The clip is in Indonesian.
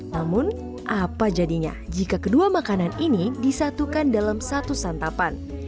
namun apa jadinya jika kedua makanan ini disatukan dalam satu santapan